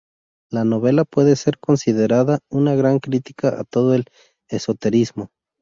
La novela puede ser considerada una gran crítica a todo el esoterismo.